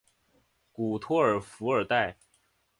古托尔弗尔代。